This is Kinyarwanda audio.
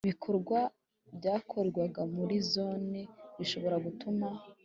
ibikorwa byakorerwaga muri Zone bishobora gutuma